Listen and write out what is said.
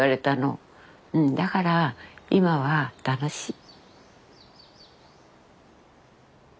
うんだから今は楽しい。